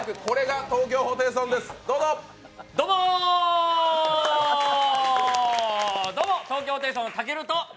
どうも、どうも東京ホテイソンたけると。